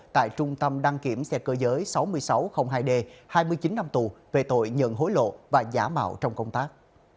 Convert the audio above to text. tại trung tâm đăng kiểm xe cơ giới sáu nghìn sáu trăm linh hai d hai mươi chín năm tù về tội nhận hối lộ và giả mạo trong công tác